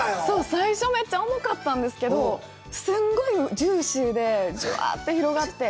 最初めっちゃ重かったんですけど、すんごいジューシーで、じゅわって広がって。